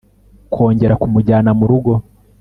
kongera kumujyana murugo